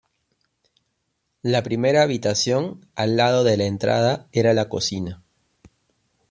La primera habitación, al lado de la entrada, era la cocina.